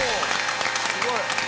すごい。